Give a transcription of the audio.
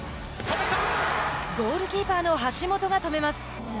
ゴールキーパーの橋本が止めます。